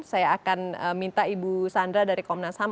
saya akan minta ibu sandra dari komnas ham